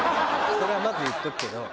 それはまず言っておくけど。